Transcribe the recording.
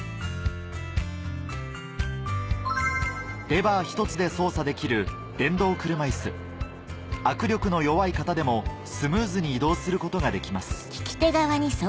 レバー１つで操作できる握力の弱い方でもスムーズに移動することができます